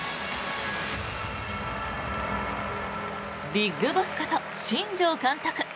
ＢＩＧＢＯＳＳこと新庄監督。